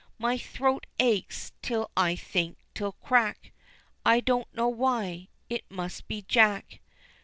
My throat aches till I think 'twill crack, I don't know why it must be Jack.